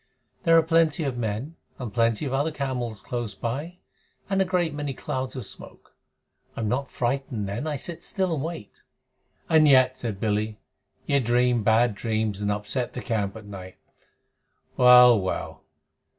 "There are plenty of men and plenty of other camels close by, and a great many clouds of smoke. I am not frightened then. I sit still and wait." "And yet," said Billy, "you dream bad dreams and upset the camp at night. Well, well!